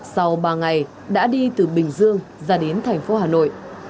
sau ba ngày đã đi từ bình dương ra đến thành phố hà nội